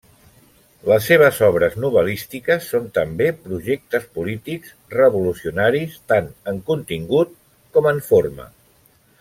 Les seves obres novel·lístiques són també projectes polítics, revolucionaris, tant en contingut com en forma.